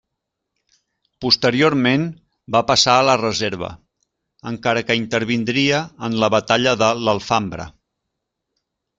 Posteriorment va passar a la reserva, encara que intervindria en la batalla de l'Alfambra.